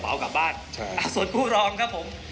คนแพ้ก็ต้องหิ้วกระเป๋ากลับบ้านส่วนคู่รองครับผม